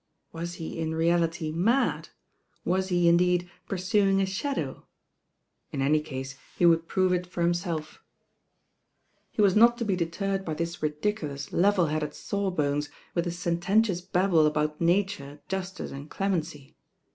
Was he w reality mad? Was he, indeed, pursuing a shadow ? In any case he would prove it for himself. LOST DAYS AND THE DOCTOR 57 He wti not to be deterred by this ridiculoui, level headed Mwbonet with hit tententiout babble about Nature, justice and clemency.